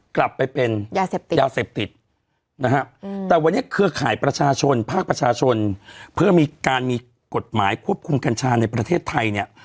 กลับไปเป็นยาเสพติดยาเสพติดนะฮะแต่วันนี้เครือข่ายประชาชนภาคประชาชนเพื่อมีการมีกฎหมายควบคุมกัญชาในประเทศไทยเนี่ย